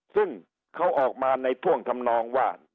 ซึ่งเขาออกมาในท่วงทำนองว่า